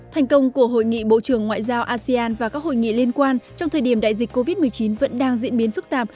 thành công của hội nghị bộ trưởng ngoại giao asean và các hội nghị liên quan trong thời điểm đại dịch covid một mươi chín vẫn đang diễn biến phức tạp